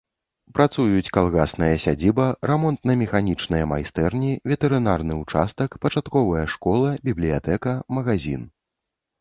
Працуюць калгасная сядзіба, рамонтна-механічныя майстэрні, ветэрынарны ўчастак, пачатковая школа, бібліятэка, магазін.